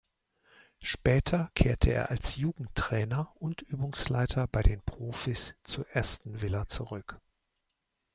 Später kehrte er als Jugendtrainer und Übungsleiter bei den Profis zu Aston Villa zurück.